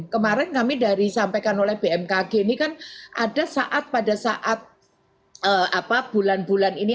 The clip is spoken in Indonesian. kemarin kami dari sampaikan oleh bmkg ini kan ada saat pada saat bulan bulan ini